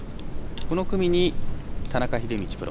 この組に田中秀道プロ。